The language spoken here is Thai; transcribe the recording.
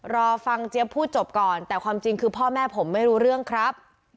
รอฟังเจี๊ยบพูดจบก่อนแต่ความจริงคือพ่อแม่ผมไม่รู้เรื่องครับ